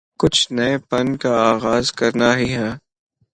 کچھ نئے پن کا آغاز کرنا ہی ہے۔